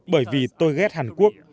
bởi vì tôi ghét hàn quốc